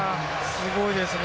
すごいですね。